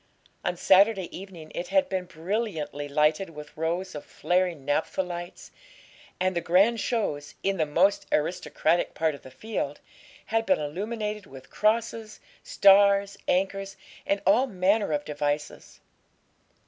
On Saturday evening it had been brilliantly lighted with rows of flaring naphtha lights; and the grand shows, in the most aristocratic part of the field, had been illuminated with crosses, stars, anchors, and all manner of devices.